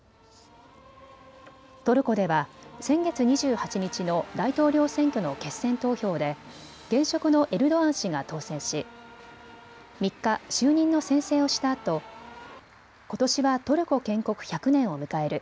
トルコでは先月２８日の大統領選挙の決選投票で現職のエルドアン氏が当選し、３日、就任の宣誓をしたあとことしはトルコ建国１００年を迎える。